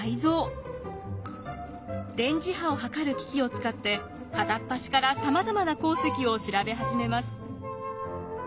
電磁波を測る機器を使って片っ端からさまざまな鉱石を調べ始めます。